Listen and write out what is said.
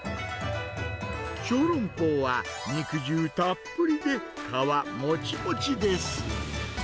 ショウロンポウは肉汁たっぷりで、皮もちもちです。